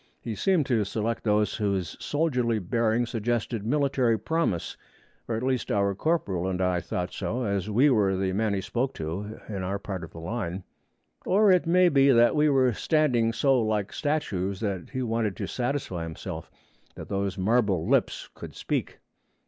He seemed to select those whose soldierly bearing suggested military promise; at least our corporal and I thought so, as we were the men he spoke to in our part of the line. Or it may be that we were standing so like statues that he wanted to satisfy himself that those marble lips could speak.